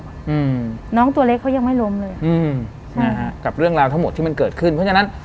อืมน้องตัวเล็กเขายังไม่ล้มเลยอืมนะฮะกับเรื่องราวทั้งหมดที่มันเกิดขึ้นเพราะฉะนั้น